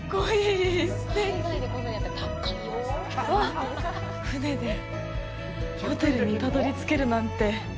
わっ、船でホテルにたどり着けるなんて。